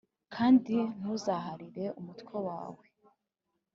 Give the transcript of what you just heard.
Kandi ntuzarahire umutwe wawe